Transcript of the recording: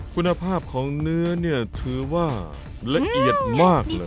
คุณภาพของเนื้อเนี่ยถือว่าละเอียดมากเลย